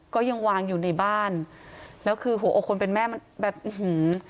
ก็ยังวางอยู่ในบ้านแล้วคือหัวอกคนเป็นแม่มันแบบอื้อหือ